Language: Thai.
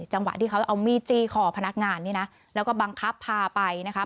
จังหวะที่เขาเอามีดจี้คอพนักงานนี่นะแล้วก็บังคับพาไปนะคะ